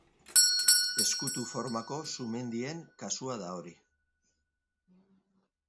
Ezkutu formako sumendien kasua da hori.